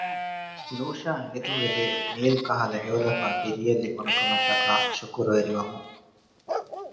ލޫޝާ ހިނިތުންވެލީ ނީލް ކަހަލަ ހެޔޮލަފާ ފިރިއެއް ލިބުނުކަމަށްޓަކައި ޝުކުރުވެރިވަމުން